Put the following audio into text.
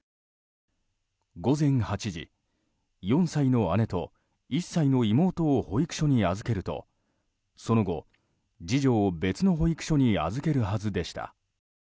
午前８時、４歳の姉と１歳の妹を保育所に預けるとその後、次女を別の保育所に預けるはずでした。